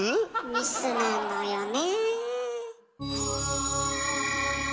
ミスなのよね。